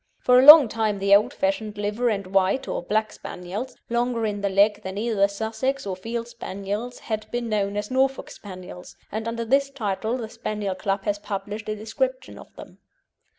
For a long time the old fashioned liver and white, or black Spaniels, longer in the leg than either Sussex or Field Spaniels, had been known as Norfolk Spaniels, and under this title the Spaniel Club has published a description of them.